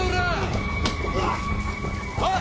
おい！